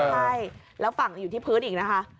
ใช่แล้วฝั่งอยู่ที่พื้นอีกนะคะ